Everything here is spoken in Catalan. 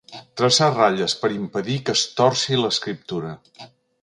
Traçar ratlles per impedir que es torci l'escriptura.